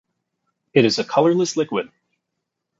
It is a colorless liquid.